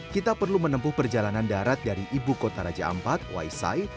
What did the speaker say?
kita perlu menempuh perjalanan darat dari ibu kota raja ampat waisai